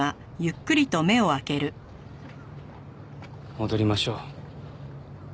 戻りましょう。